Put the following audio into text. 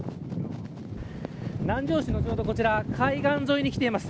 南城市のこちら海岸沿いに来ています。